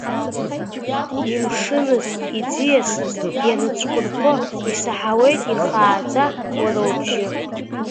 Имшыныз, иӡиасыз ианыцәқәырԥо исаҳауеит ихааӡа уара убжьы…